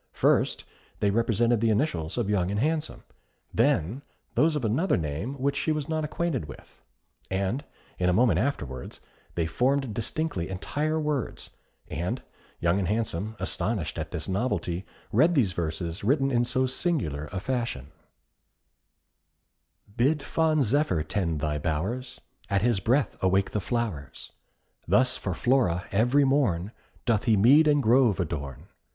First, they represented the initials of Young and Handsome; then those of another name, which she was not acquainted with; and a moment afterwards, they formed distinctly entire words, and Young and Handsome, astonished at this novelty, read these verses, written in so singular a fashion: Bid fond Zephyr tend thy bowers, At his breath awake the flowers. Thus for Flora, every morn, Doth he mead and grove adorn.